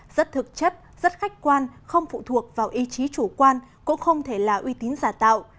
rất thực chất rất khách quan không phụ thuộc vào ý chí chủ quan cũng không thể là uy tín giả tạo